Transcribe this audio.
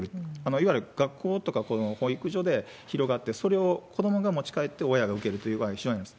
いわゆる学校とか、保育所で広がって、それを子どもが持ち帰って、親が受けるというようになります。